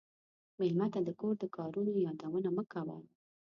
مېلمه ته د کور د کارونو یادونه مه کوه.